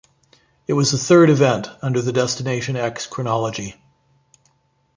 It was the third event under the Destination X chronology.